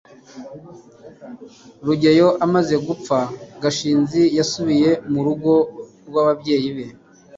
rugeyo amaze gupfa, gashinzi yasubiye mu rugo rw'ababyeyi be